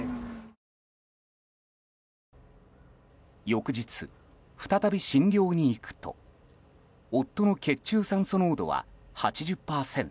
翌日、再び診療に行くと夫の血中酸素濃度は８０％。